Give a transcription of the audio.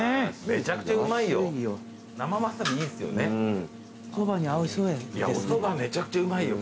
めちゃくちゃうまいよ。